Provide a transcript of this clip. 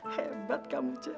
hebat kamu cepat